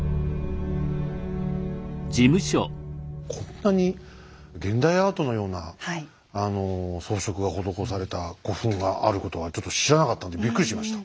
こんなに現代アートのような装飾が施された古墳があることはちょっと知らなかったんでびっくりしました。